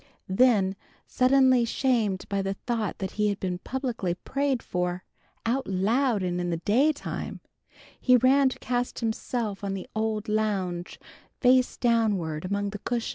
Then suddenly shamed by the thought that he had been publicly prayed for, out loud and in the daytime, he ran to cast himself on the old lounge, face downward among the cushions.